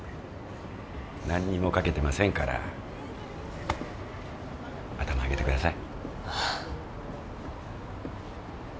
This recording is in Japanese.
何にもかけてませんから頭上げてください。